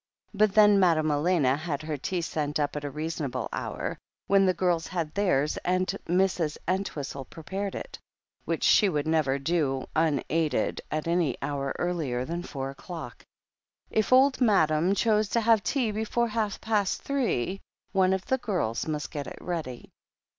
But then Madame Elena had her tea sent up at a reasonable hour, when the girls had theirs, and Mrs. Entwhistle prepared it, which she would never do unaided at any hour earlier than four o'clock. If Old Madam chose to have tea before half past three one of the girls must get it ready.